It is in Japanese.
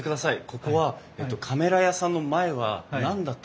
ここはカメラ屋さんの前は何だったんですか？